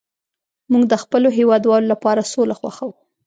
موږ د خپلو هیوادوالو لپاره سوله خوښوو